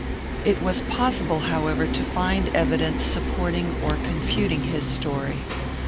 It was possible, however, to find evidence supporting or confuting his story.